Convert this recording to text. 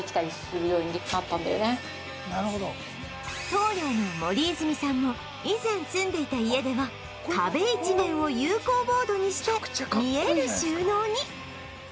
棟梁の森泉さんも以前住んでいた家では壁一面を有孔ボードにして見える収納に